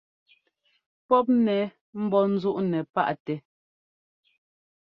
Pɔ́p nɛ mbɔ́ nzúʼnɛ paʼtɛ.